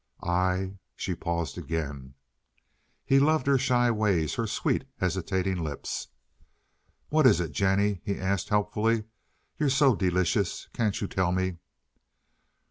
"I—" She paused again. He loved her shy ways, her sweet, hesitating lips. "What is it, Jennie?" he asked helpfully. "You're so delicious. Can't you tell me?"